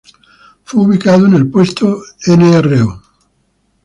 Fue ubicado en el puesto Nro.